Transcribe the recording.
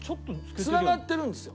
繋がってるんですよ。